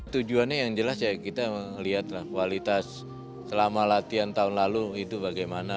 tujuannya yang jelas ya kita melihatlah kualitas selama latihan tahun lalu itu bagaimana